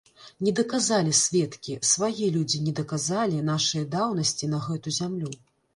Не даказалі сведкі, свае людзі не даказалі нашае даўнасці на гэту зямлю.